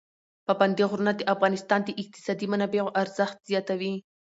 پابندی غرونه د افغانستان د اقتصادي منابعو ارزښت زیاتوي.